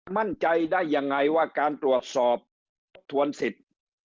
มั่นใจได้ยังไงว่าการตรวจสอบทบทวนสิทธิ์